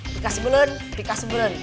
pika sebelen pika sebelen